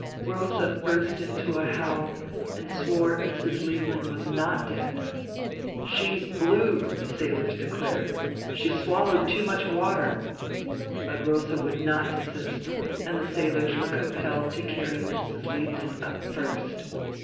Rosa burst into a howl and swore Mrs. Liebling was not dead. "She's blue," the sailors declared. "She swallowed too much water." But Rosa would not desist, and the sailors were compelled to carry Mrs. Liebling up first.